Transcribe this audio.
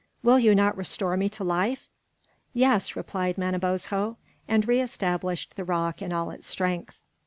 Will you not restore me to life?" "Yes," replied Manabozho, and re established the rock in all its strength.